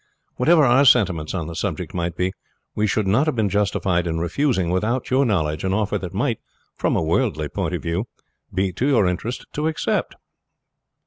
Whatever our sentiments on the subject might be, we should not have been justified in refusing without your knowledge an offer that might, from a worldly point of view, be your interest to accept."